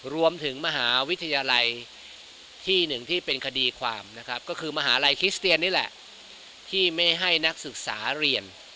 รวมถึงมหาวิทยาลัยที่หนึ่งที่เป็นคดีความนะครับก็คือมหาลัยคริสเตียนนี่แหละที่ไม่ให้นักศึกษาเรียน